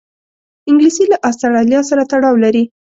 انګلیسي له آسټرالیا سره تړاو لري